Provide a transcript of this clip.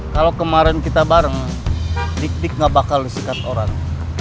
kalau kemarin kita bareng dik dik gak bakal disikat orang